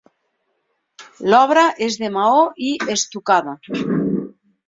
L'obra és de maó i estucada.